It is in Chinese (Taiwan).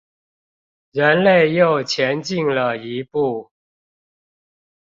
人類又前進了一步